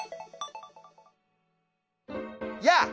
やあ！